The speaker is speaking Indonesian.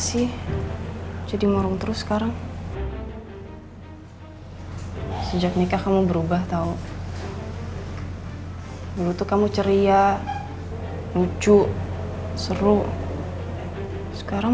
jadi jadi murung terus sekarang sejak nikah kamu berubah tahu dulu tuh kamu ceria lucu seru sekarang